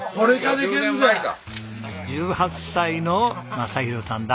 １８歳の雅啓さんだ。